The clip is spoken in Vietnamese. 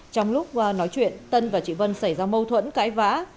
trong lúc nói chuyện tân và chị vân xảy ra mâu thuẫn cãi vã